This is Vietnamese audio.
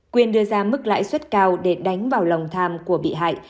quyền đưa ra mức lãi suất cao để đánh vào lòng tham của bị hại